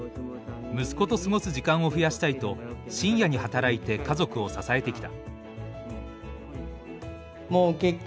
息子と過ごす時間を増やしたいと深夜に働いて家族を支えてきた。